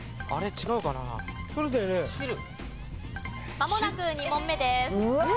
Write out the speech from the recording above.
まもなく２問目です。